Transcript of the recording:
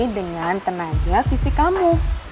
dengan tenaga fisik kamu